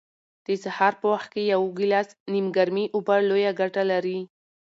د سهار په وخت کې یو ګیلاس نیمګرمې اوبه لویه ګټه لري.